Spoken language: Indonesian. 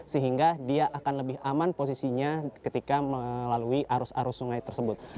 sehingga dia akan lebih aman posisinya ketika melalui arus arus sungai tersebut